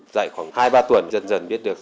dạy khoảng hai ba tuần dần dần biết được